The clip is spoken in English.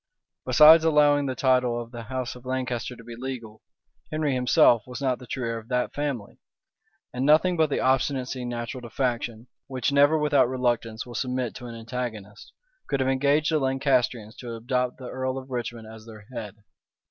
Besides, allowing the title of the house of Lancaster to be legal, Henry himself was not the true heir of that family; and nothing but the obstinacy natural to faction, which never without reluctance will submit to an antagonist, could have engaged the Lancastrians to adopt the earl of Richmond as their head.